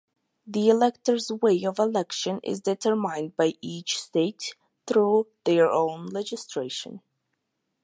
The elector’s way of election is determined by each state through their own legislation.